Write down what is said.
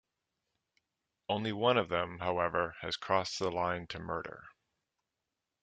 Only one of them, however, has crossed the line to murder.